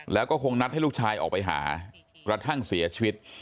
แล้วก็คงนัดให้ลูกชายออกไปหากระทั่งเสียชีวิต